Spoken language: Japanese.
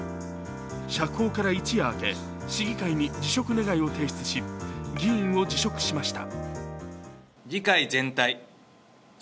釈放から一夜明け市議会に辞職願を提出し議員を辞職しました。